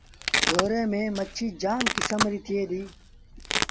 ڍوري ميݩ مڇيٚ جآم ڪسم ريٚ ٿئي ديٚ۔